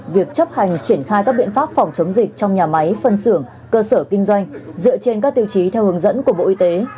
việc chấp hành triển khai các biện pháp phòng chống dịch trong nhà máy phân xưởng cơ sở kinh doanh dựa trên các tiêu chí theo hướng dẫn của bộ y tế